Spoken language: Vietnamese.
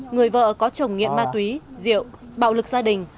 người vợ có chồng nghiện ma túy rượu bạo lực gia đình